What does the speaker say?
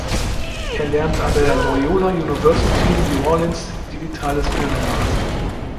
Er lernt an der Loyola University New Orleans digitales Filmemachen.